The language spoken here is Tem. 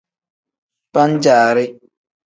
Pan-jaari.